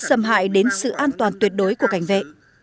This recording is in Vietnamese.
xâm hại đến sự an toàn tuyệt đối của cảnh vệ